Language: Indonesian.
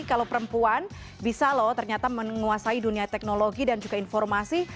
kalau perempuan bisa loh ternyata menguasai dunia teknologi dan juga informasi